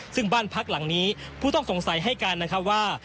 ซึ่งบ้านพักหลังนี้ผู้ต้องสงสัยให้การนะครับว่า